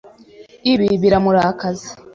Ibi biramurakaza.